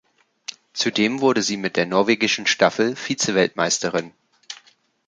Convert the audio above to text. Zudem wurde sie mit der norwegischen Staffel Vizeweltmeisterin.